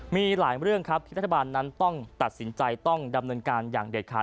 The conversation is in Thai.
มีหลายเรื่องครับที่รัฐบาลนั้นต้องตัดสินใจต้องดำเนินการอย่างเด็ดขาด